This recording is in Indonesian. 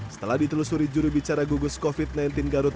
setelah ditelusuri juru bicara gugus covid sembilan belas garut